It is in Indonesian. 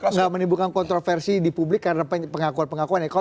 nggak menimbulkan kontroversi di publik karena pengakuan pengakuan ya